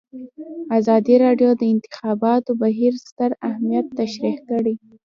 ازادي راډیو د د انتخاباتو بهیر ستر اهميت تشریح کړی.